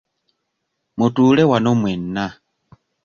Mutuule wano mwenna.